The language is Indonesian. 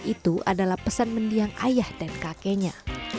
itu adalah pesan mendiang ayah dan kakeknya